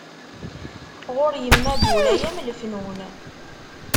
Ɣur yemma Guraya m lefnun.